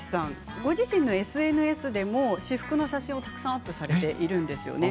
ご自身のＳＮＳでも私服の写真をたくさんアップされているんですよね。